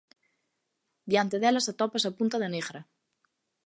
Diante delas atópase a punta da Negra.